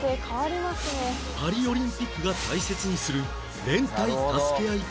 パリオリンピックが大切にする連帯・助け合い